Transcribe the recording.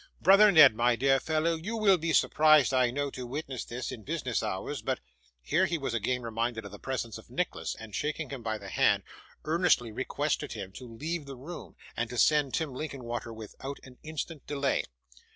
'Brother Ned, my dear fellow, you will be surprised, I know, to witness this, in business hours; but ' here he was again reminded of the presence of Nicholas, and shaking him by the hand, earnestly requested him to leave the room, and to send Tim Linkinwater without an instant's delay.